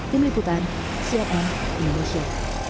tim liputan siapkan indonesia